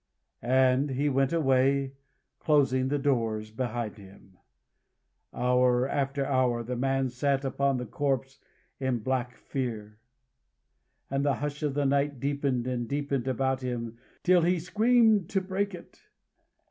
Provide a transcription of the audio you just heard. And he went away, closing the doors behind him. Hour after hour the man sat upon the corpse in black fear; and the hush of the night deepened and deepened about him till he screamed to break it.